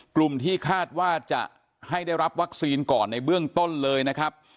กลุ่มที่คาดว่าจะให้ได้รับวัคซีนก่อนในเบื้องต้นเลยนะครับ